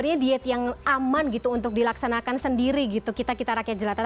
dan kita mesti didukung juga dengan olahraga teratur